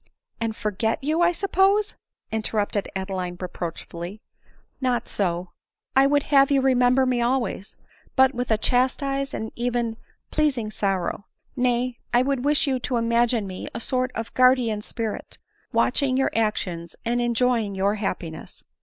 " And forget you, I suppose ?" interrupted Adeline reproachfully. " Not so ; I would have you remember me always, but with a chastised and even pleasing sorrow ; nay, I would wish you to imagine me a sort of guardian spirit, watching your actions, and enjoying your happiness."